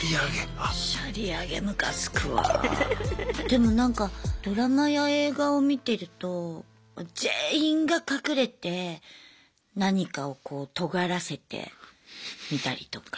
でもなんかドラマや映画を見てると全員が隠れて何かをこうとがらせてみたりとか。